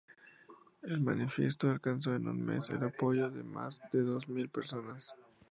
El manifiesto alcanzó en un mes el apoyo de más de dos mil personas.